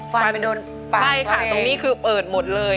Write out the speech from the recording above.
ฟันไปโดนปากเลยใช่ค่ะตรงนี้คือเปิดหมดเลย